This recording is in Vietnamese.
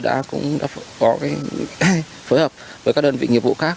đã có phối hợp với các đơn vị nghiệp vụ khác